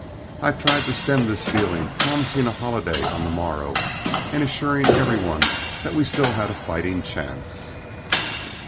I tried to stem this feeling, promising a holiday on the morrow and assuring every one that we still had a fighting chance.